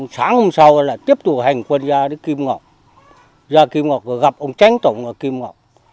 sáng hôm sau là tiếp tục hành quân ra kim ngọc ra kim ngọc rồi gặp ông tránh tổng ở kim ngọc